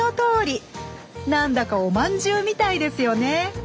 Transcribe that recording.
なんだかおまんじゅうみたいですよね